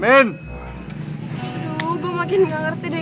aduh gue makin nggak ngerti deh